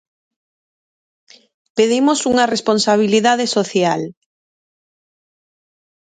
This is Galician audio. Pedimos unha responsabilidade social.